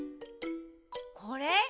これ？